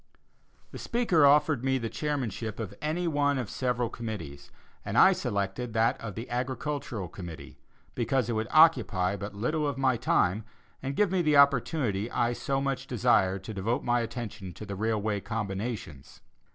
The speaker offered me the chairmanship of any one of several committees, and I selected that of the Agricultural committee, because it would occupy but little of my time, and give me the opportunity I so much desired to devote my attention to the railway combinations.